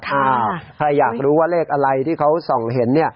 ใครอยากรู้ว่าเลขอะไรที่เขาส่องเห็นเนี่ย